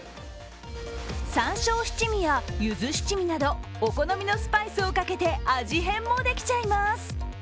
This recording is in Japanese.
さんしょう七味やゆず七味などお好みのスパイスをかけて味変もできちゃいます。